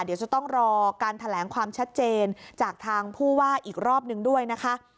เดี๋ยวจะต้องรอการแถลงความชัดเจนจากทางผู้ว่าอีกรอบหนึ่งด้วยนะคะ